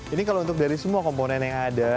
ini kalau untuk dari semua komponen yang ada